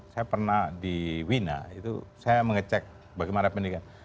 saya pernah di wina itu saya mengecek bagaimana pendidikan